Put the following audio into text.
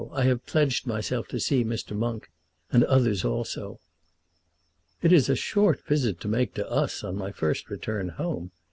I have pledged myself to see Mr. Monk, and others also." "It is a short visit to make to us on my first return home!